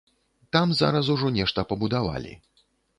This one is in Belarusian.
Там зараз ужо нешта пабудавалі.